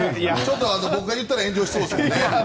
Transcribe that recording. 僕が言ったら炎上しそうですけどね。